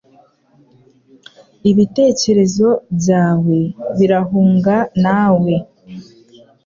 Ibitekerezo byawe birahunga nawe